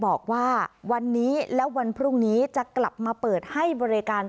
บอกว่าวันนี้และวันพรุ่งนี้จะกลับมาเปิดให้บริการ